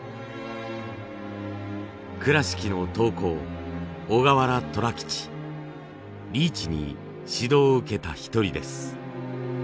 倉敷の陶工リーチに指導を受けた一人です。